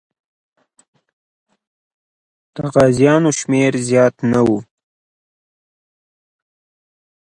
د غازیانو شمېر زیات نه و.